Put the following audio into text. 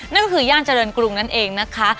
นั่นก็คือย่านเจริญกรุงนั่นเองนะคะ